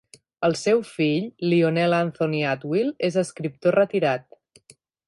El seu fill, Lionel Anthony Atwill, és escriptor retirat.